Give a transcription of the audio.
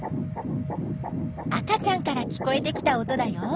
赤ちゃんから聞こえてきた音だよ。